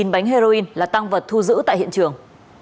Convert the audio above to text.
tám mươi chín bánh heroin là tăng vật thu giữ tại hiện trường